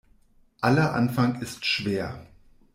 Aller Anfang ist schwer.